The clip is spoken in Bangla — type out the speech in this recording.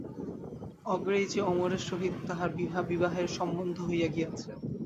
অগ্রেই যে অমরের সহিত তাহার বিবাহের সম্বন্ধ হইয়া গিয়াছে।